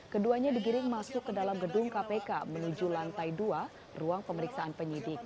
keduanya digiring masuk ke dalam gedung kpk menuju lantai dua ruang pemeriksaan penyidik